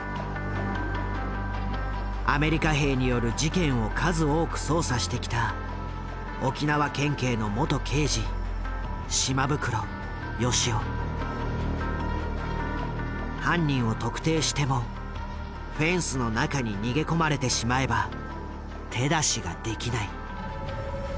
アメリカ兵による事件を数多く捜査してきた犯人を特定してもフェンスの中に逃げ込まれてしまえば手出しができない。